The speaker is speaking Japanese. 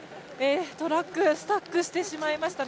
トラックがスタックしてしまいましたね。